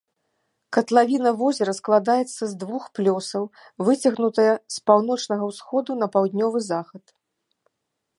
Катлавіна возера складаецца з двух плёсаў, выцягнутая з паўночнага ўсходу на паўднёвы захад.